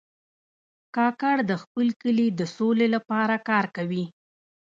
کاکړ د خپل کلي د سولې لپاره کار کوي.